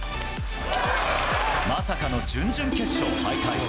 まさかの準々決勝敗退。